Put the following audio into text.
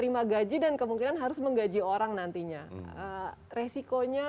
bagaimana dengan resikonya